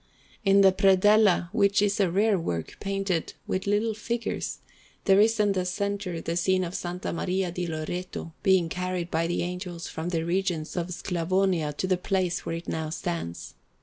In the predella, which is a rare work painted with little figures, there is in the centre the scene of S. Maria di Loreto being carried by the Angels from the regions of Sclavonia to the place where it now stands.